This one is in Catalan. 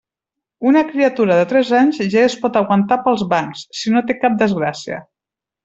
Una criatura de tres anys ja es pot aguantar pels bancs, si no té cap desgràcia.